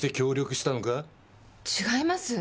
違います。